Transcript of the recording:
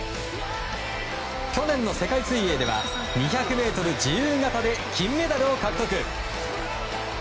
去年の世界水泳では２００ｍ自由形で金メダルを獲得。